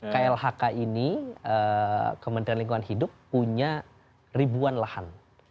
klhk ini kementerian lingkungan hidup punya ribuan lahan